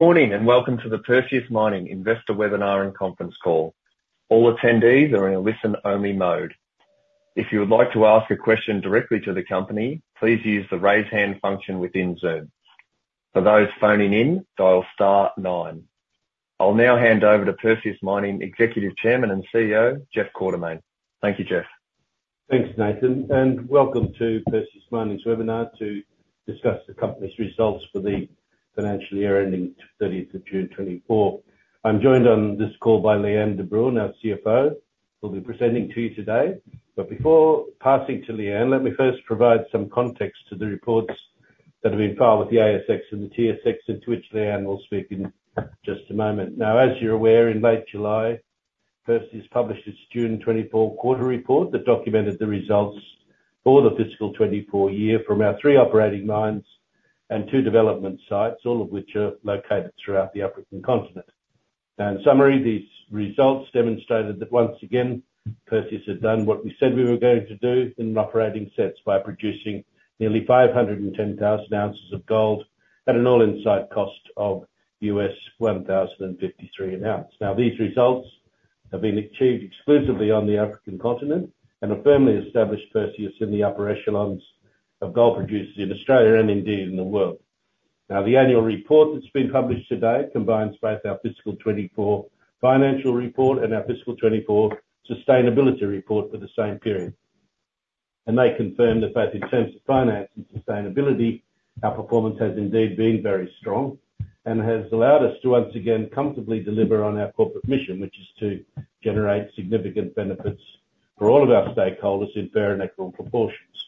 Morning, and welcome to the Perseus Mining Investor Webinar and Conference Call. All attendees are in a listen-only mode. If you would like to ask a question directly to the company, please use the Raise Hand function within Zoom. For those phoning in, dial star nine. I'll now hand over to Perseus Mining Executive Chairman and CEO, Jeff Quartermaine. Thank you, Jeff. Thanks, Nathan, and welcome to Perseus Mining's webinar to discuss the company's results for the financial year ending thirtieth of June 2024. I'm joined on this call by Lee-Anne de Bruin, our CFO, who'll be presenting to you today. But before passing to Lee-Anne, let me first provide some context to the reports that have been filed with the ASX and the TSX, and to which Lee-Anne will speak in just a moment. Now, as you're aware, in late July, Perseus published its June 2024 quarter report, that documented the results for the fiscal 2024 year from our three operating mines and two development sites, all of which are located throughout the African continent. Now, in summary, these results demonstrated that, once again, Perseus had done what we said we were going to do in operating sets by producing nearly 510,000 ounces of gold at an all-in site cost of $1,053 an ounce. Now, these results have been achieved exclusively on the African continent, and have firmly established Perseus in the upper echelons of gold producers in Australia, and indeed in the world. Now, the annual report that's been published today combines both our fiscal 2024 financial report and our fiscal 2024 sustainability report for the same period, and they confirm that both in terms of finance and sustainability, our performance has indeed been very strong, and has allowed us to once again comfortably deliver on our corporate mission, which is to generate significant benefits for all of our stakeholders in fair and equal proportions.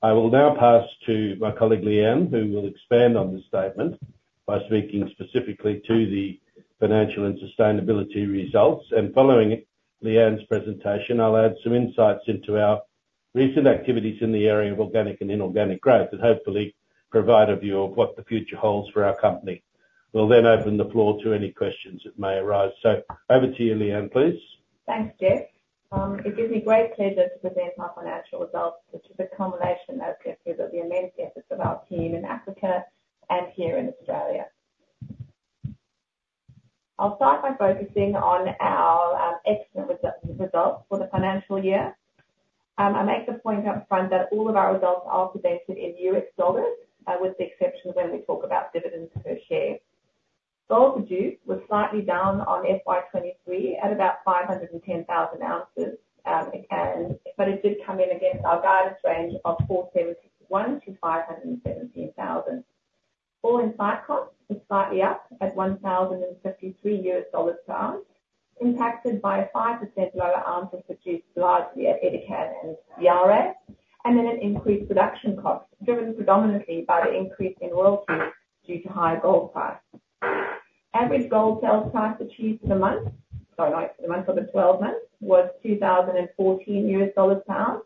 I will now pass to my colleague, Lee-Anne, who will expand on this statement by speaking specifically to the financial and sustainability results, and following Lee-Anne's presentation, I'll add some insights into our recent activities in the area of organic and inorganic growth, and hopefully provide a view of what the future holds for our company. We'll then open the floor to any questions that may arise, so over to you, Lee-Anne, please. Thanks, Jeff. It gives me great pleasure to present our financial results, which is a culmination, as Jeff said, of the immense efforts of our team in Africa and here in Australia. I'll start by focusing on our excellent results for the financial year. I make the point up front that all of our results are presented in US dollars, with the exception of when we talk about dividends per share. Gold produced was slightly down on FY 2023 at about 510,000 ounces, again, but it did come in against our guidance range of 471,000 to 517,000. All-in site cost is slightly up at $1,053 per ounce, impacted by a 5% lower ounces produced largely at Edikan and Yaouré, and then an increased production cost, driven predominantly by the increase in royalties due to higher gold prices. Average gold sales price achieved per month... Sorry, not per month, for the twelve months, was $2,014 per ounce,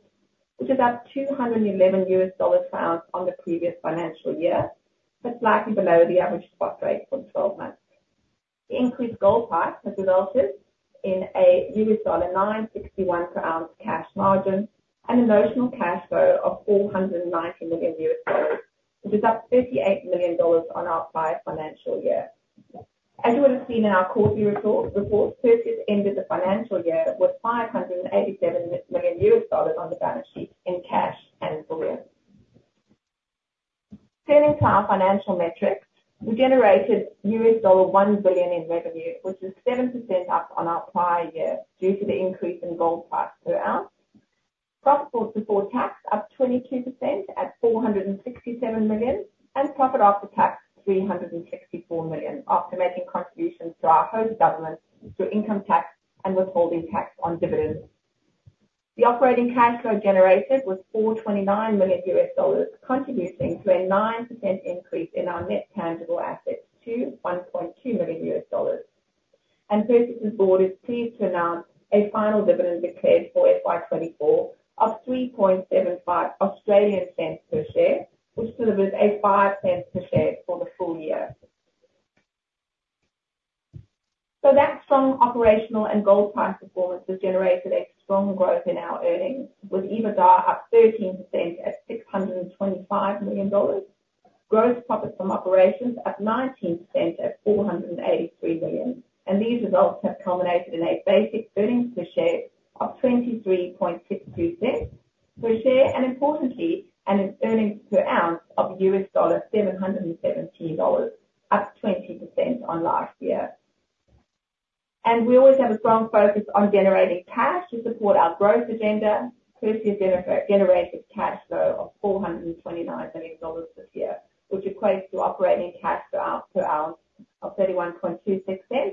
which is up $211 per ounce on the previous financial year, but slightly below the average spot rate for twelve months. The increased gold price has resulted in a $961 per ounce cash margin and operational cash flow of $490 million, which is up $58 million on our prior financial year. As you would have seen in our quarterly report, Perseus ended the financial year with $587 million on the balance sheet in cash and full year. Turning to our financial metrics, we generated $1 billion in revenue, which is 7% up on our prior year, due to the increase in gold price per ounce. Profits before tax, up 22% at $467 million, and profit after tax, $364 million, after making contributions to our host government through income tax and withholding tax on dividends. The operating cash flow generated was $429 million, contributing to a 9% increase in our net tangible assets to $1.2 million. Perseus's board is pleased to announce a final dividend declared for FY 2024 of 0.0375 per share, which delivers 0.05 per share for the full year. That strong operational and gold price performance has generated a strong growth in our earnings, with EBITDA up 13% at $625 million. Gross profit from operations up 19% at $483 million, and these results have culminated in a basic earnings per share of 0.2362 per share, and importantly, an earnings per ounce of $717, up 20% on last year. We always have a strong focus on generating cash to support our growth agenda. Perseus generated cash flow of $429 million this year, which equates to operating cash per ounce, per ounce of 0.3126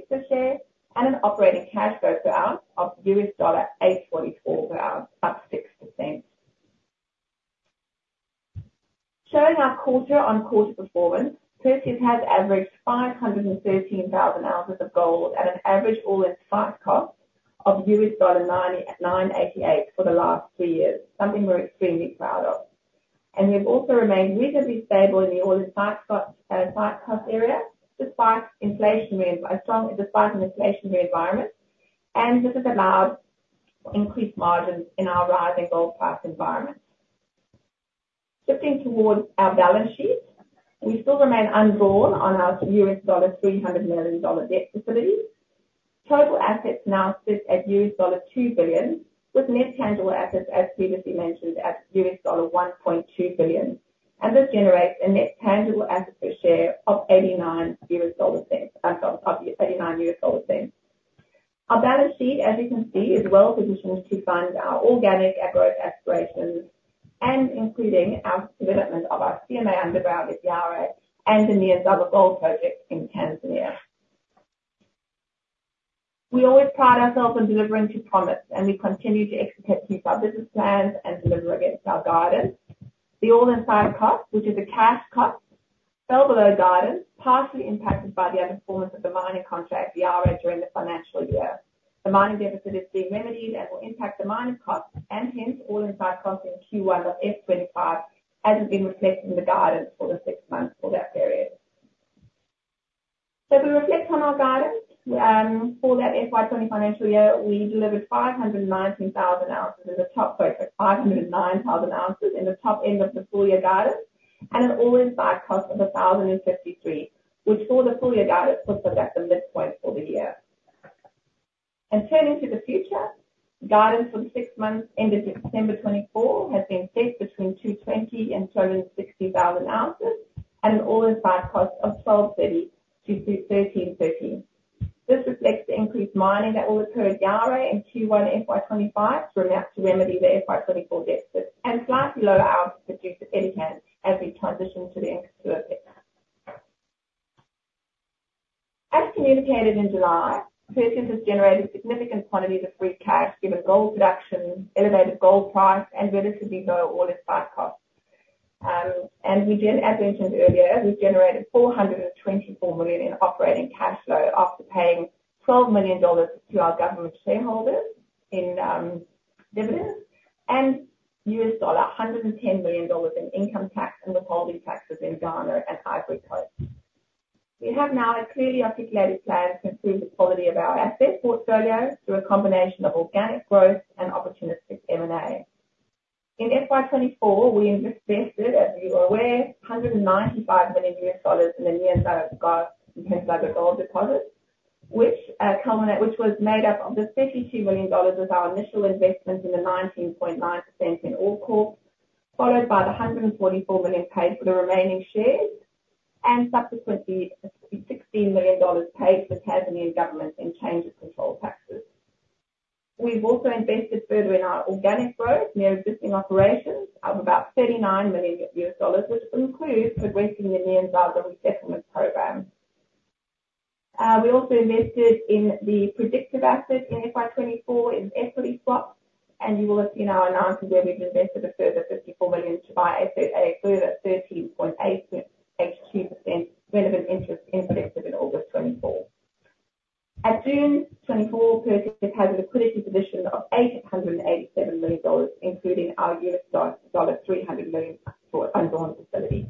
per share, and an operating cash flow per ounce of $8.4 per ounce, up 6%. Showing our consistent performance, Perseus has averaged 513,000 ounces of gold at an average all-in site cost of $998 for the last three years, something we're extremely proud of, and we've also remained reasonably stable in the all-in site cost, site cost area, despite an inflationary environment, and this has allowed increased margins in our rising gold price environment. Looking towards our balance sheet, we still remain undrawn on our $300 million debt facility. Total assets now sit at $2 billion, with net tangible assets, as previously mentioned, at $1.2 billion. This generates a net tangible asset per share of $0.89. Our balance sheet, as you can see, is well positioned to fund our organic growth aspirations and including our development of our CMA underground at Yaouré and the Nyanzaga Gold Project in Tanzania. We always pride ourselves on delivering to promise, and we continue to execute to our business plans and deliver against our guidance. The all-in sustaining cost, which is a cash cost, fell below guidance, partially impacted by the underperformance of the mining contract at Yaouré during the financial year. The mining deficit is being remedied and will impact the mining cost, and hence, all-in sustaining costs in Q1 of FY 2025. It hasn't been reflected in the guidance for the six months for that period. To reflect on our guidance for that FY 2024 financial year, we delivered 519,000 ounces at the top end of 509,000 ounces in the full year guidance, and an all-in sustaining cost of $1,053, which for the full year guidance puts us at the midpoint for the year. Turning to the future, guidance for the six months ended September 2024 has been set between 220,000 and 260,000 ounces, and an all-in sustaining cost of $1,230-$1,330. This reflects the increased mining that will occur at Yaouré in Q1 FY 2025, to remedy the FY 2024 deficit, and slightly lower ounces produced at Edikan, as we transition to the end of Q2. As communicated in July, Perseus has generated significant quantities of free cash, given gold production, elevated gold price, and relatively low all-in sustaining costs. And we did, as mentioned earlier, we generated $424 million in operating cash flow after paying $12 million to our government shareholders in dividends, and $110 million in income tax and withholding taxes in Ghana and Côte d'Ivoire. We have now a clearly articulated plan to improve the quality of our asset portfolio through a combination of organic growth and opportunistic M&A. In FY 2024, we invested, as you are aware, $195 million in the Nyanzaga Gold Project, which was made up of the $32 million as our initial investment in the 19.9% in OreCorp, followed by the $144 million paid for the remaining shares, and subsequently, $16 million paid to the Tanzanian government in change of control taxes. We've also invested further in our organic growth near existing operations of about $39 million, which includes progressing the Nyanzaga resettlement program. We also invested in the Predictive asset in FY 2024 in equity swaps, and you will have seen our announcement where we've invested a further $54 million to buy Bankan, further 13.8%-18% relevant interest in September 2024. At June 2024, Perseus has a liquidity position of $887 million, including our US dollar $300 million undrawn facility.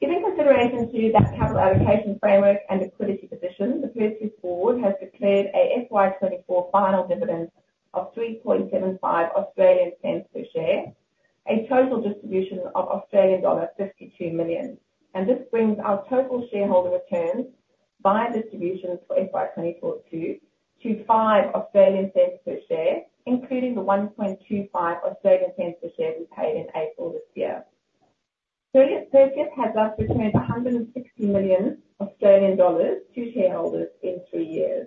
Giving consideration to that capital allocation framework and liquidity position, the Perseus board has declared a FY 2024 final dividend of 3.75 Australian cents per share, a total distribution of Australian dollar 52 million. This brings our total shareholder returns by distribution for FY 2024 to five Australian cents per share, including the 1.25 Australian cents per share we paid in April this year. Perseus has just returned 160 million Australian dollars to shareholders in three years.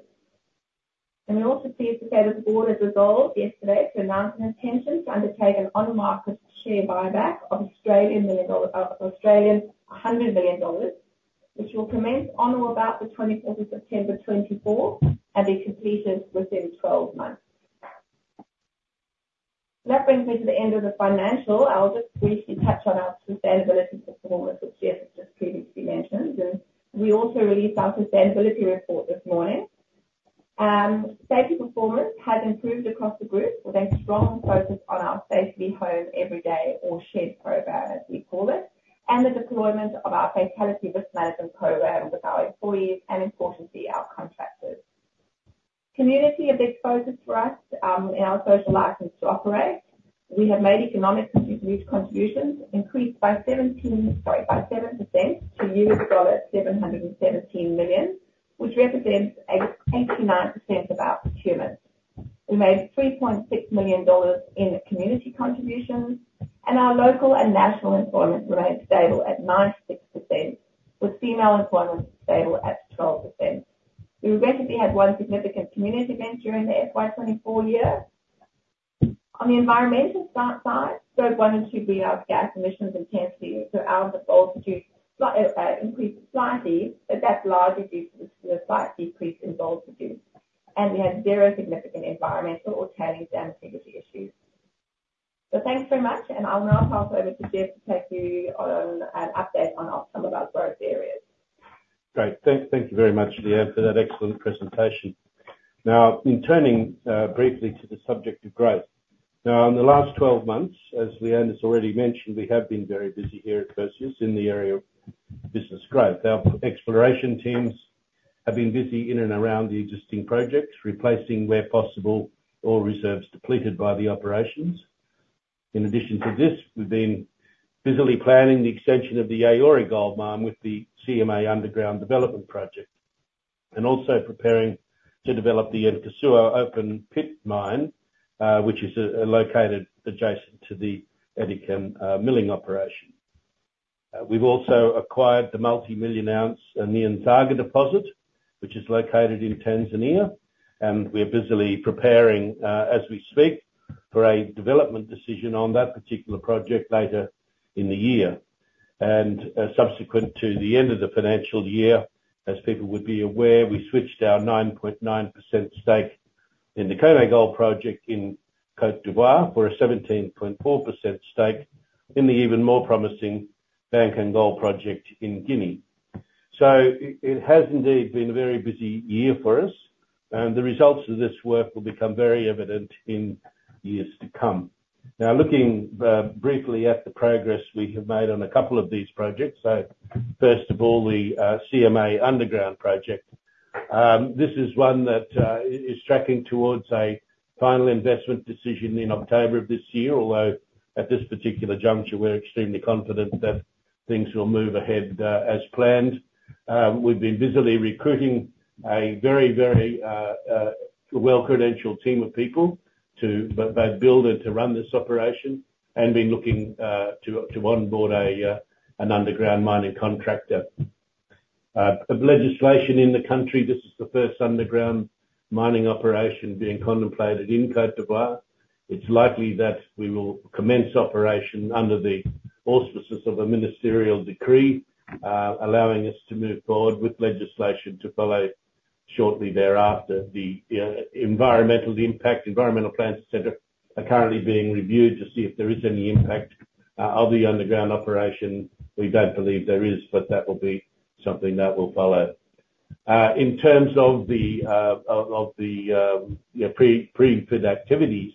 We also pleased to say that the board has resolved yesterday to announce an intention to undertake an on-market share buyback of 100 million Australian dollars, which will commence on or about the twenty-fourth of September 2024, and be completed within twelve months. That brings me to the end of the financial. I'll just briefly touch on our sustainability performance, which Jeff just previously mentioned, and we also released our sustainability report this morning. Safety performance has improved across the group, with a strong focus on our Safety Home Every Day, or SHED program, as we call it, and the deployment of our fatality risk management program with our employees and importantly, our contractors. Community is a big focus for us in our social license to operate. We have made economic contributions, increased by 7% to $717 million, which represents 89% of our procurement. We made $3.6 million in community contributions, and our local and national employment remained stable at 96%, with female employment stable at 12%. We recently had one significant community event during the FY 2024 year. On the environmental side, Scope 1 and 2, we have GHG emissions intensity, so our gold produced increased slightly, but that's largely due to the slight decrease in gold produced, and we had zero significant environmental or tailings damage issues. So thanks very much, and I'll now hand over to Jeff to take you on an update on some of our growth areas. Great. Thank, thank you very much, Lee-Anne, for that excellent presentation. Now, in turning briefly to the subject of growth. Now, in the last twelve months, as Lee-Anne has already mentioned, we have been very busy here at Perseus in the area of business growth. Our exploration teams have been busy in and around the existing projects, replacing where possible, all reserves depleted by the operations. In addition to this, we've been busily planning the extension of the Yaouré Gold Mine with the CMA underground development project, and also preparing to develop the Nkosuo open pit mine, which is located adjacent to the Edikan milling operation. We've also acquired the multimillion-ounce Nyanzaga deposit, which is located in Tanzania, and we're busily preparing, as we speak, for a development decision on that particular project later in the year. And subsequent to the end of the financial year, as people would be aware, we switched our 9.9% stake in the Koné Gold Project in Côte d'Ivoire for a 17.4% stake in the even more promising Bankan Gold Project in Guinea. So it has indeed been a very busy year for us, and the results of this work will become very evident in years to come. Now, looking briefly at the progress we have made on a couple of these projects. So first of all, the CMA underground project. This is one that is tracking towards a final investment decision in October of this year, although at this particular juncture, we're extremely confident that things will move ahead as planned. We've been busily recruiting a very, very well-credentialed team of people to both build and to run this operation, and been looking to onboard an underground mining contractor. In terms of legislation in the country, this is the first underground mining operation being contemplated in Côte d'Ivoire. It's likely that we will commence operation under the auspices of a ministerial decree, allowing us to move forward with legislation to follow shortly thereafter. The environmental impact, environmental plans, et cetera, are currently being reviewed to see if there is any impact of the underground operation. We don't believe there is, but that will be something that will follow. In terms of the pre-fit activities,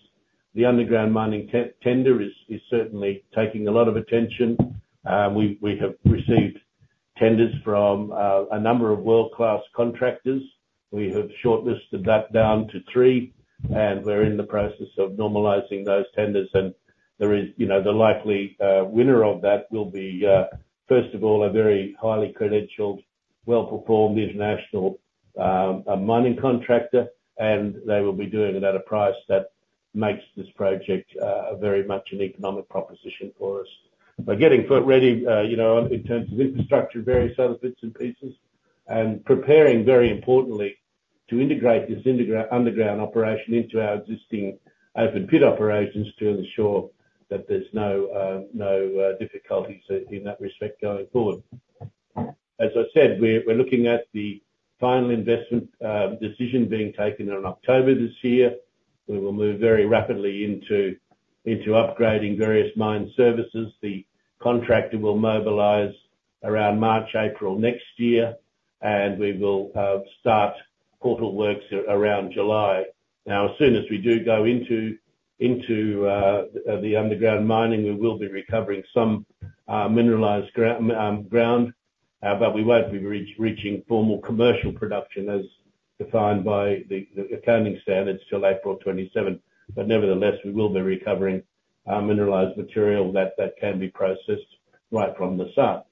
the underground mining tender is certainly taking a lot of attention. We have received tenders from a number of world-class contractors. We have shortlisted that down to three, and we're in the process of normalizing those tenders, and there is you know, the likely winner of that will be first of all, a very highly credentialed, well-performed international a mining contractor, and they will be doing it at a price that makes this project very much an economic proposition for us. We're getting footprint ready you know, in terms of infrastructure, various other bits and pieces, and preparing, very importantly, to integrate this underground operation into our existing open pit operations to ensure that there's no no difficulties in that respect going forward. As I said, we're looking at the final investment decision being taken in October this year. We will move very rapidly into upgrading various mine services. The contractor will mobilize around March, April next year, and we will start portal works around July. Now, as soon as we do go into the underground mining, we will be recovering some mineralized ground, but we won't be reaching formal commercial production as defined by the accounting standards till April 2027. But nevertheless, we will be recovering mineralized material that can be processed right from the start.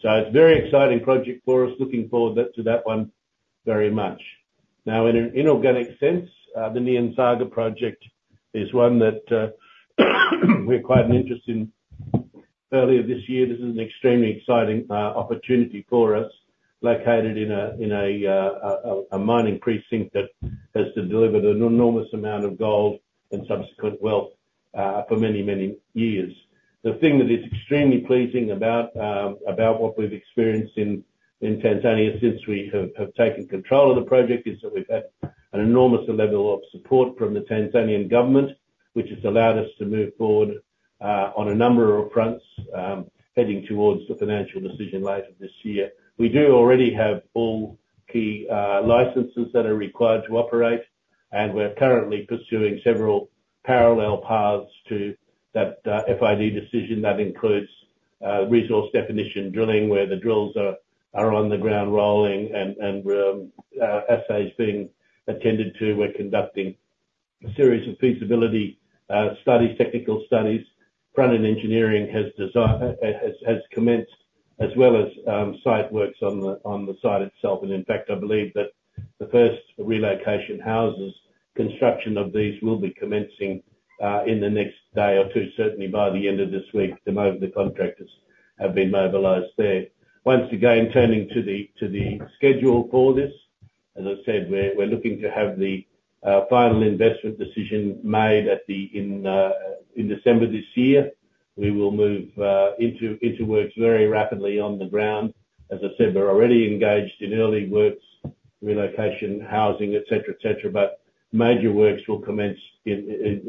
So it's a very exciting project for us, looking forward to that one very much. Now, in an inorganic sense, the Nyanzaga project is one that we acquired an interest in earlier this year. This is an extremely exciting opportunity for us, located in a mining precinct that has delivered an enormous amount of gold and subsequent wealth for many, many years. The thing that is extremely pleasing about what we've experienced in Tanzania since we have taken control of the project is that we've had an enormous level of support from the Tanzanian government, which has allowed us to move forward on a number of fronts heading towards the financial decision later this year. We do already have all key licenses that are required to operate, and we're currently pursuing several parallel paths to that FID decision. That includes resource definition drilling, where the drills are on the ground rolling and assays being attended to. We're conducting a series of feasibility studies, technical studies. Front-end engineering has commenced, as well as site works on the site itself. In fact, I believe that the first relocation houses, construction of these will be commencing in the next day or two, certainly by the end of this week. The contractors have been mobilized there. Once again, turning to the schedule for this, as I said, we're looking to have the final investment decision made in December this year. We will move into works very rapidly on the ground. As I said, we're already engaged in early works, relocation, housing, et cetera, et cetera, but major works will commence in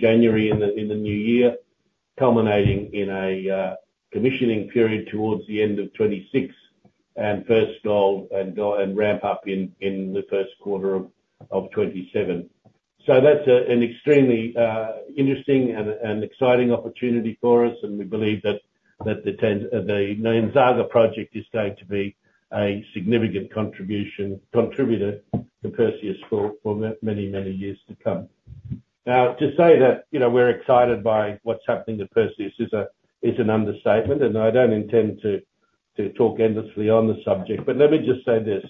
January in the new year, culminating in a commissioning period towards the end of 2026, and first gold and ramp up in the first quarter of 2027. So that's an extremely interesting and exciting opportunity for us, and we believe that the Nyanzaga project is going to be a significant contributor to Perseus for many years to come. Now, to say that, you know, we're excited by what's happening to Perseus is an understatement, and I don't intend to talk endlessly on the subject, but let me just say this: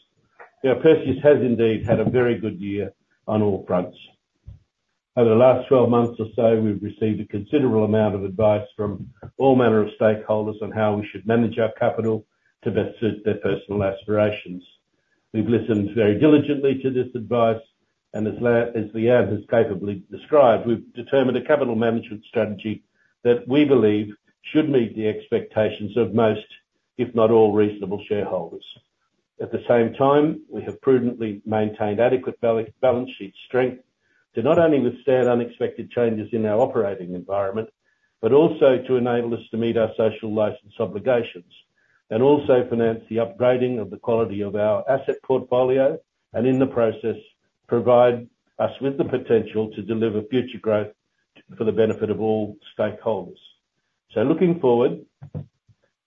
You know, Perseus has indeed had a very good year on all fronts. Over the last twelve months or so, we've received a considerable amount of advice from all manner of stakeholders on how we should manage our capital to best suit their personal aspirations. We've listened very diligently to this advice, and as Lee-Anne has capably described, we've determined a capital management strategy that we believe should meet the expectations of most, if not all, reasonable shareholders. At the same time, we have prudently maintained adequate balance sheet strength to not only withstand unexpected changes in our operating environment, but also to enable us to meet our social license obligations, and also finance the upgrading of the quality of our asset portfolio, and in the process, provide us with the potential to deliver future growth for the benefit of all stakeholders. So looking forward,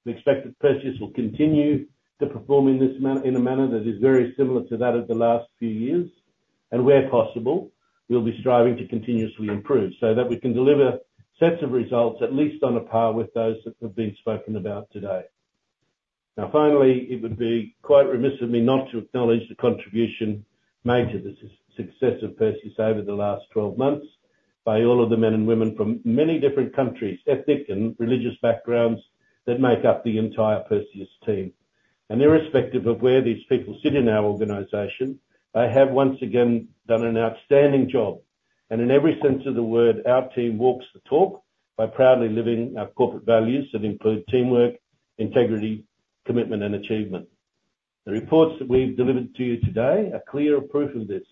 we expect that Perseus will continue to perform in a manner that is very similar to that of the last few years, and where possible, we'll be striving to continuously improve so that we can deliver sets of results, at least on a par with those that have been spoken about today. Now, finally, it would be quite remiss of me not to acknowledge the contribution made to the success of Perseus over the last twelve months by all of the men and women from many different countries, ethnic and religious backgrounds, that make up the entire Perseus team. And irrespective of where these people sit in our organization, they have, once again, done an outstanding job. And in every sense of the word, our team walks the talk by proudly living our corporate values that include teamwork, integrity, commitment, and achievement. The reports that we've delivered to you today are clear proof of this,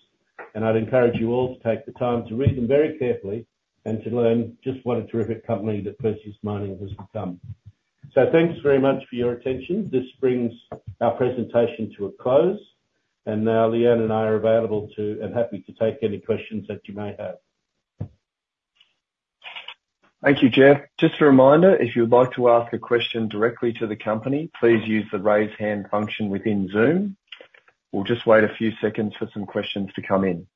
and I'd encourage you all to take the time to read them very carefully, and to learn just what a terrific company that Perseus Mining has become. So thanks very much for your attention. This brings our presentation to a close, and now Lee-Anne and I are available to and happy to take any questions that you may have. Thank you, Jeff. Just a reminder, if you'd like to ask a question directly to the company, please use the Raise Hand function within Zoom. We'll just wait a few seconds for some questions to come in.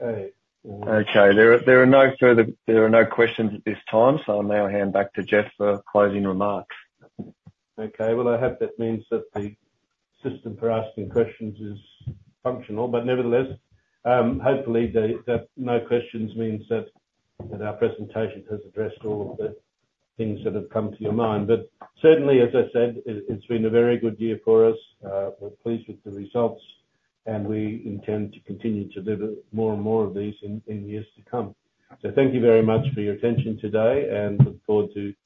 Okay. There are no questions at this time, so I'll now hand back to Jeff for closing remarks. Okay, well, I hope that means that the system for asking questions is functional. But nevertheless, hopefully the no questions means that our presentation has addressed all of the things that have come to your mind. But certainly, as I said, it's been a very good year for us. We're pleased with the results, and we intend to continue to deliver more and more of these in years to come. So thank you very much for your attention today, and look forward to-